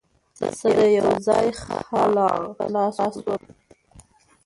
سره یوځای خلع سلاح شول